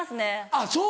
あっそう。